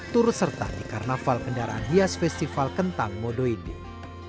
turut serta di karnaval kendaraan hias festival kentang modo inding